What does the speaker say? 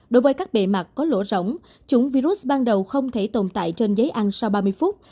đối với các bề mặt có lỗ rỗng chủng virus ban đầu không thể tồn tại trên giấy ăn sau ba mươi phút